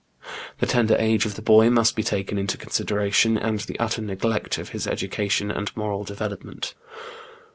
The tender age of the boy must be taken into consideration, and the utter neglect of his education and moral development.